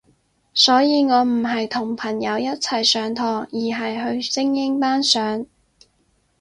所以我唔係同朋友一齊上堂，而係去精英班上